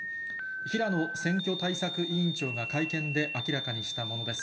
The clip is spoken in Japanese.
ひらの選挙対策委員長が会見で明らかにしたものです。